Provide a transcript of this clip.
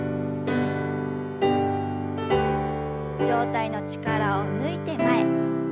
上体の力を抜いて前。